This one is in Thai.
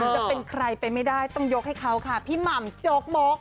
จะเป็นใครไปไม่ได้ต้องยกให้เขาค่ะพี่หม่ำโจ๊กมก